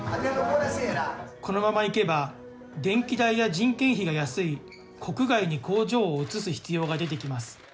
このままいけば電気代や人件費が安い国外に工場を移す必要が出てきます。